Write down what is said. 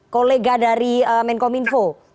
kolega dari menkom info